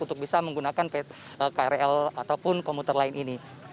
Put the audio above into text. untuk bisa menggunakan krl ataupun komuter lain ini